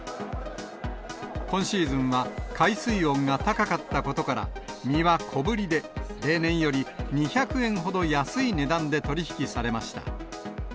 今シーズンは、海水温が高かったことから、身は小ぶりで、例年より２００円ほど安い値段で取り引きされました。